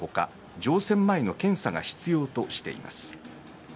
乗船前の検査が必要としています。